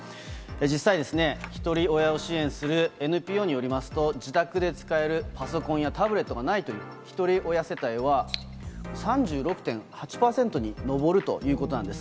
実際、ひとり親を支援するＮＰＯによりますと、自宅で使えるパソコンやタブレットがないというひとり親世帯は、３６．８％に上るということなんです。